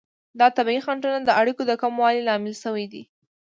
دا طبیعي خنډونه د اړیکو د کموالي لامل شوي دي.